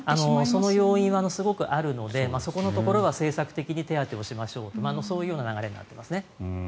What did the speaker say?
その要因はすごくあるのでそこのところは政策的に手当てしましょうとそういうような流れになっていますね。